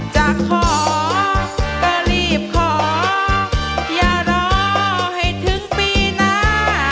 จะขอก็รีบขออย่ารอให้ถึงปีหน้า